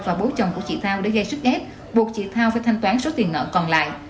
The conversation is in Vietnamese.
và bố chồng của chị thao để gây sức ép buộc chị thao phải thanh toán số tiền nợ còn lại